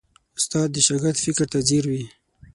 استاد د شاګرد فکر ته ځیر وي.